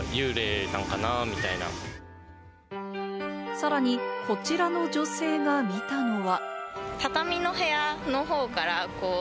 さらにこちらの女性が見たのは。